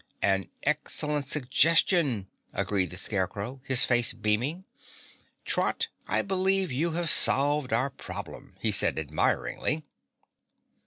"An excellent suggestion!" agreed the Scarecrow, his face beaming. "Trot, I believe you have solved our problem," he said admiringly.